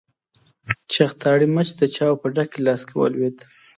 چختاړي مچ د چايو په ډک ګيلاس کې ولوېد.